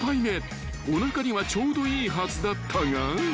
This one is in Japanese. ［おなかにはちょうどいいはずだったが］